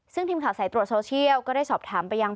ซึ่งทีมข่าวสายตรวจโซเชียลก็ได้สอบถามไปยัง